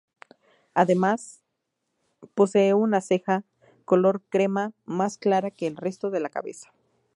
Además, posee una ceja color crema más clara que el resto de la cabeza.